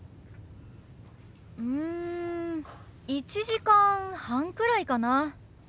うん１時間半くらいかな。